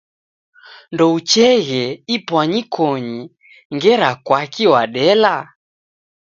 Ndoucheeghe ipwanyikonyi ngera kwaki wadela?